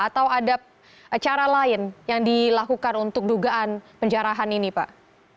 atau ada cara lain yang dilakukan untuk dugaan penjarahan ini pak